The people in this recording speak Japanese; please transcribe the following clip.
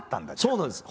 そうなんです！